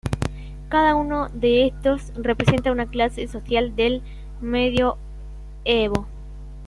Cada uno de estos representa una clase social del Medioevo.